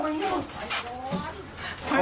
พลอยออกลูกพลอยออก